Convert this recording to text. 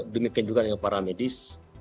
demikian juga dengan para medis